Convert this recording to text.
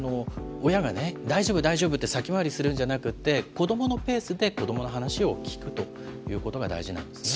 親がね、大丈夫、大丈夫って先回りするんじゃなくて、子どものペースで、子どもの話を聞くということが大事なんですね。